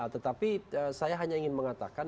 tetapi saya hanya ingin mengatakan